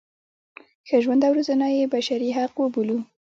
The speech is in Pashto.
ښه ژوند او روزنه یې بشري حق وبولو.